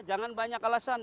jangan banyak alasan